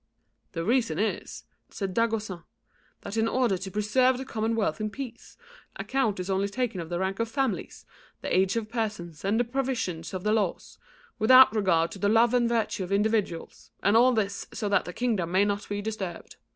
"The reason is," said Dagoucin, "that in order to preserve the commonwealth in peace, account is only taken of the rank of families, the age of persons, and the provisions of the laws, without regard to the love and virtue of individuals, and all this so that the kingdom may not be disturbed.